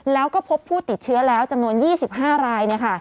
แล้วก็พบผู้ติดเชื้อแล้วจำนวน๒๕ราย